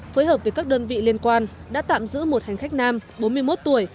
phối hợp với các đơn vị liên quan đã tạm giữ một hành khách nam bốn mươi một tuổi